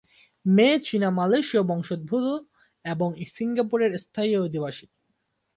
মে চীনা মালয়েশীয় বংশোদ্ভূত এবং সিঙ্গাপুরের স্থায়ী অধিবাসী।